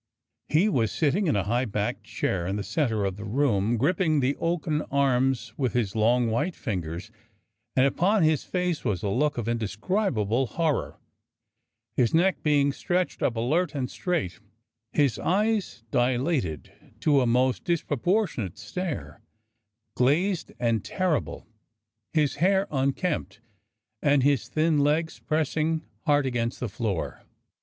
He was sitting in a high backed chair in the centre of the room, gripping the oaken arms with his long, white fingers, and upon his face w^as a look of indescribable horror : his neck being stretched up alert and straight, his eyes dilated to a most disproportionate stare, glazed and terrible; his hair unkempt, and his thin legs pressing hard against the floor.